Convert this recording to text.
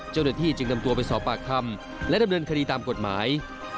เจ้าหน้าที่จึงนำตัวไปสอบปากคำและดำเนินคดีตามกฎหมาย